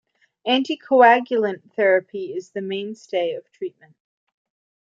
Anticoagulant therapy is the mainstay of treatment.